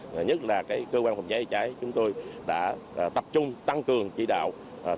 và nhất là cơ quan phòng cháy chữa cháy chúng tôi đã tập trung tăng cường chỉ đạo